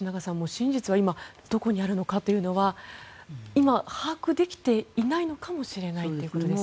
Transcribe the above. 真実は今、どこにあるのかが今、把握できていないのかもしれないということですね。